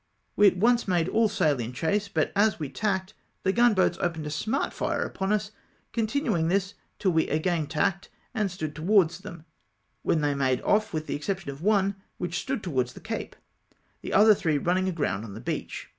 We at once made all sail in chase, and as we tacked, the gunboats opened a smart fire upon us, continuinsj this tiU we a^fain tacked and stood towards them, when they made off, with the exception of one which stood towards the Cape ; the other three running aground on the beach.